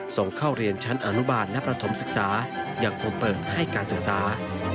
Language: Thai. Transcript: ส่งเข้าเรียนชั้นอนุบาลณประถมศึกษายังคงเปิดให้การศึกษา